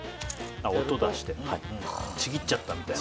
音出してちぎっちゃったみたいな。